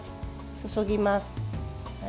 注ぎます。